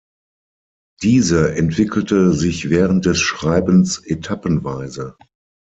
Diese entwickelte sich während des Schreibens etappenweise.